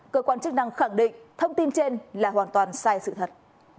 cơ quan chức năng khẳng định thông tin trên là hoàn toàn sai sự thật